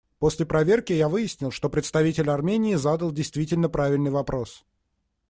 После проверки я выяснил, что представитель Армении задал действительно правильный вопрос.